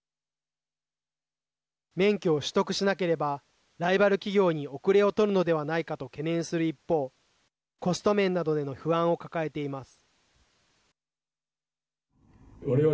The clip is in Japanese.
免許を取得しなければライバル企業に後れを取るのではないかと懸念する一方コスト面などでの不安を抱えています。